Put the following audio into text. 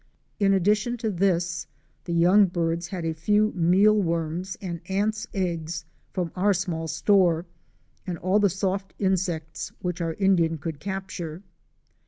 In addition to this, the young birds had a few mealworms and ants' eggs from our small store, and all the soft insects which our Indian could capture.